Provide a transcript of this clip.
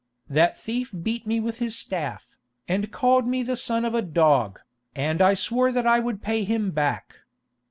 That thief beat me with his staff, and called me the son of a dog, and I swore that I would pay him back.